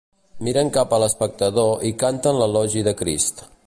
Miren cap a l'espectador i canten l'elogi de Crist.